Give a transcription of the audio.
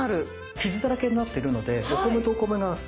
傷だらけになっているのでお米とお米がこすれるんです。